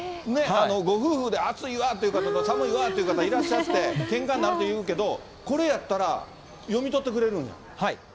ご夫婦で、暑いわっていう方と寒いわっていう方、いらっしゃって、けんかになるというけど、これやったら読み取ってくれるのはい。